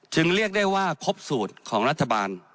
เรียกได้ว่าครบสูตรของรัฐบาล